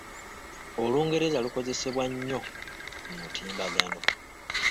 Olungereza lukozesebwa nnyo ku mutimbagano.